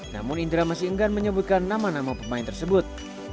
namun indra masih enggan menyebutkan nama nama pemain tersebut